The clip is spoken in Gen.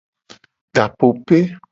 Dapope.